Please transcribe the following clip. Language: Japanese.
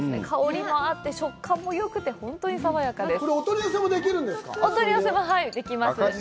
香りもあって、食感もよくて、本当に爽やかです。